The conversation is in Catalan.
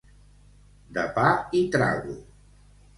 De pa i trago.